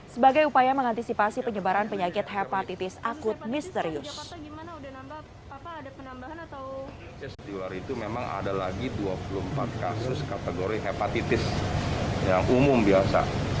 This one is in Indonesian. sebagai upaya mengantisipasi penyebaran penyakit hepatitis akut misterius